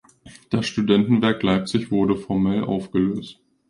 Das Studentenwerk Leipzig wurde formell aufgelöst.